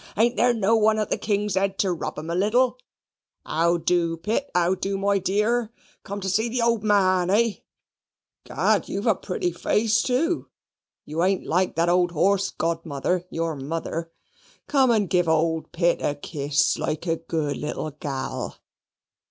Ain't there no one at the King's Head to rub 'em a little? How do, Pitt? How do, my dear? Come to see the old man, hay? 'Gad you've a pretty face, too. You ain't like that old horse godmother, your mother. Come and give old Pitt a kiss, like a good little gal."